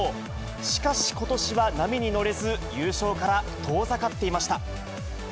しかし、ことしは波に乗れず、優勝から遠ざかっていました。